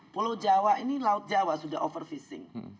pulau jawa ini laut jawa sudah overfishing